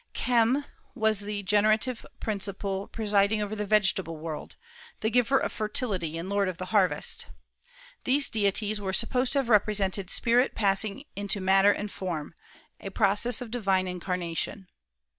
Khem was the generative principle presiding over the vegetable world, the giver of fertility and lord of the harvest. These deities are supposed to have represented spirit passing into matter and form, a process of divine incarnation.